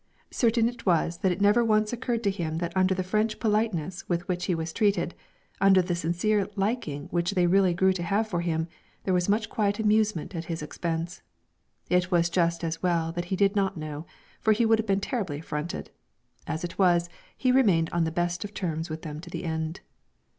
Certain it was that it never once occurred to him that under the French politeness with which he was treated, under the sincere liking which they really grew to have for him, there was much quiet amusement at his expense. It was just as well that he did not know, for he would have been terribly affronted; as it was, he remained on the best of terms with them to the end.